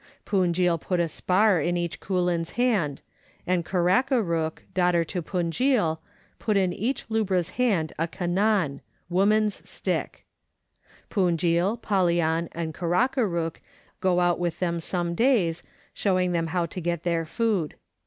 Punjil put a spear in each koolin's hand, and Karakarook, daughter to Punjil, put in each lubra's hand a kannan (woman's stick). Punjil, Pallian, and Karakarook go out with them some days, showing them how to get their food.